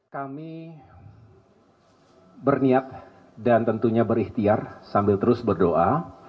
kami berniat dan tentunya berikhtiar sambil terus berdoa